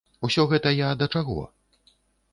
Усё гэта я да чаго?